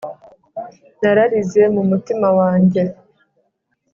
nararize mu mutima wanjye